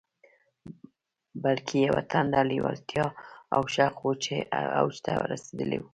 بلکې يوه تنده، لېوالتیا او شوق و چې اوج ته رسېدلی و.